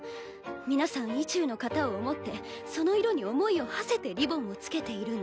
皆さん意中の方を思ってその色に思いをはせてリボンを付けているの。